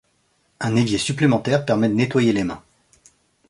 un évier supplémentaire permet de nettoyer les mains